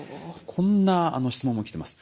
こんな質問も来てます。